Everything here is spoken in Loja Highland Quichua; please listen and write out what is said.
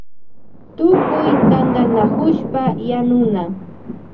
Tutkuy tantanakushpa yanuna.